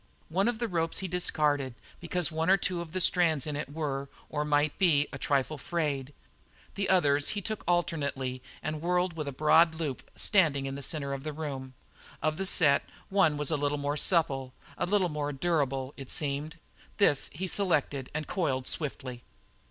One of the ropes he discarded because one or two strands in it were, or might be, a trifle frayed. The others he took alternately and whirled with a broad loop, standing in the centre of the room. Of the set one was a little more supple, a little more durable, it seemed. This he selected and coiled swiftly.